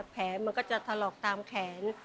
แผลมันก็จะทะลอกตามแขน